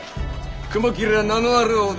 雲霧は名のある大店